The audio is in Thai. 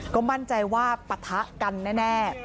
ก็มั่นใจว่าปะทะกันแน่